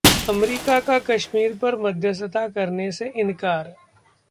America का कश्मीर पर मध्यस्थता करने से इनकार